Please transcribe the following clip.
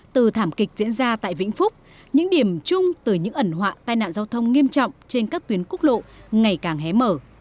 từ thảm kịch diễn ra tại vĩnh phúc những điểm chung từ những ẩn họa tai nạn giao thông nghiêm trọng trên các tuyến quốc lộ ngày càng hé mở